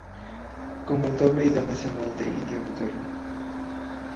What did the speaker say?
Como el doble ideal nacional del India moderna.